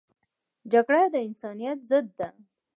جګړه د انسانیت ضد ده